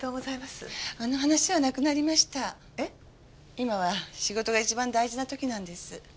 今は仕事が一番大事な時なんです。